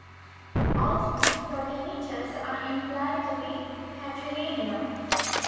Often, progenitors are implied to be patrilineal.